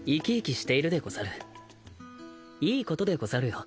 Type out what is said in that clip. いいことでござるよ。